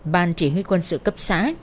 bàn chỉ huy quân sự cấp xã